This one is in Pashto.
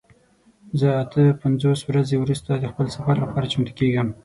زه اته پنځوس ورځې وروسته د خپل سفر لپاره چمتو کیږم.